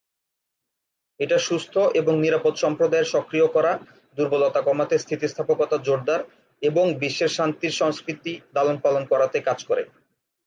এটা সুস্থ এবং নিরাপদ সম্প্রদায়ের সক্রিয় করা, দুর্বলতা কমাতে স্থিতিস্থাপকতা জোরদার এবং বিশ্বের শান্তির সংস্কৃতি লালনপালন করাতে কাজ করে।